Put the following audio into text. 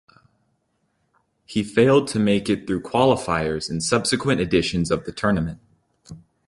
He failed to make it through qualifiers in subsequent editions of the tournament.